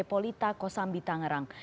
polita kosambi tangerang